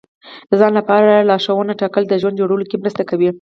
د ځان لپاره لارښوونې ټاکل د ژوند جوړولو کې مرسته کوي.